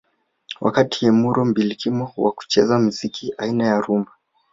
Wakati Emoro mbilikimo wa kucheza mziki aina ya rhumba